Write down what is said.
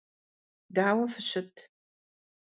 Daue fışıt?